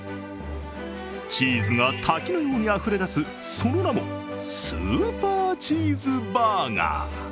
チーズが滝のようにあふれ出すその名もスーパーチーズバーガー。